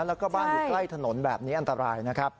แล้วก็บ้านอยู่ใกล้ถนนแบบนี้อันตรายนะครับ